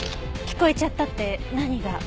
聞こえちゃったって何が？